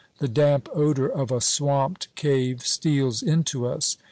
The damp odor of a swamped cave steals into us.